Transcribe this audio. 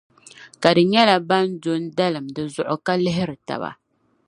Ka bɛ nyɛla ban do n-dalim di zuɣu ka lihiri taba.